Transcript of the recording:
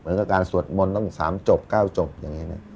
เหมือนกับการสวดมนต์ต้องสามจบเก้าจบอย่างนี้นะครับ